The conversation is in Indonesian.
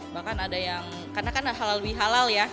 bahkan ada yang karena kan halal bihalal ya